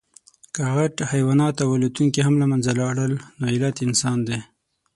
که غټ حیوانات او الوتونکي هم له منځه لاړل، نو علت انسان دی.